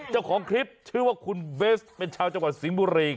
เจ้าของคลิปชื่อว่าคุณเบสเป็นชาวจังหวัดสิงห์บุรี